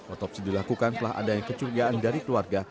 otopsi dilakukan setelah adanya kecurigaan dari keluarga